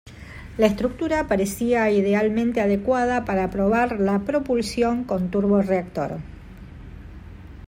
La estructura parecía idealmente adecuada para probar la propulsión con turborreactor.